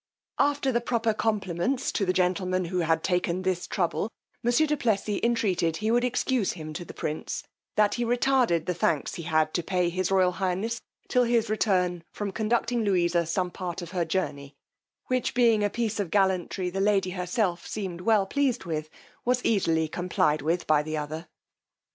After the proper compliments to the gentleman who had taken this trouble, monsieur du Plessis entreated he would excuse him to the prince, that he retarded the thanks he had to pay his royal highness, till his return from conducting Louisa some part of her journey, which being a piece of gallantry the lady herself seemed well pleased with, was easily complied with by the other.